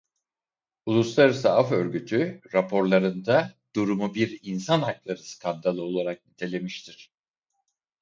Uluslararası Af Örgütü raporlarında durumu bir "insan hakları skandalı" olarak nitelemiştir.